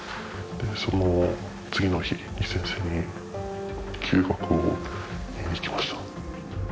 その次の日に先生に休学を言いに行きました。